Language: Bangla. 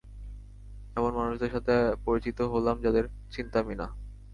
এমন মানুষদের সাথে পরিচিত হলাম যদের চিনতামই না।